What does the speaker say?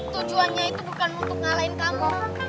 tujuannya itu bukan untuk ngalahin kamu